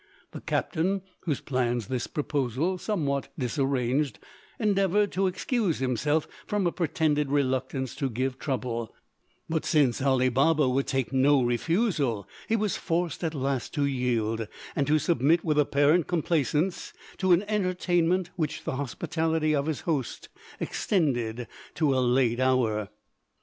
The captain, whose plans this proposal somewhat disarranged, endeavoured to excuse himself from a pretended reluctance to give trouble; but since Ali Baba would take no refusal he was forced at last to yield, and to submit with apparent complaisance to an entertainment which the hospitality of his host extended to a late hour.